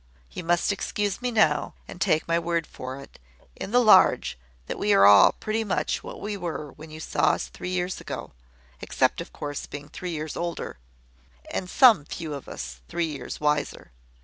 You must excuse me now, and take my word for it, in the large, that we are all pretty much what we were when you saw us three years ago, except of course, being three years older, and some few of us three years wiser.